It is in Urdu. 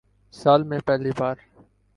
سال میں پہلی بار